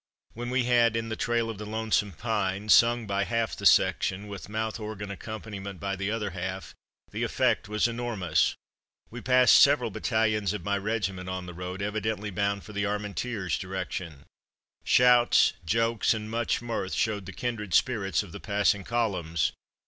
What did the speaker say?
When we had "In the trail of the Lonesome Pine" sung by half the section, with mouth organ accompaniment by the other half, the effect was enormous. We passed several battalions of my regiment on the road, evidently bound for the Armentières direction. Shouts, jokes and much mirth showed the kindred spirits of the passing columns.